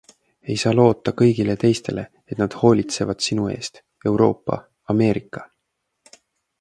Ei saa loota kõigile teistele, et nad hoolitsevad sinu eest - Euroopa, Ameerika.